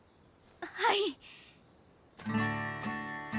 はい。